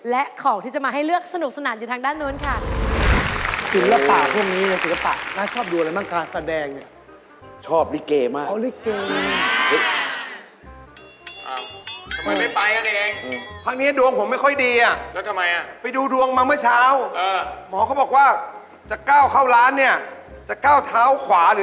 และของที่จะมาให้เลือกสนุกสนานอยู่ทางด้านนู้นค่ะ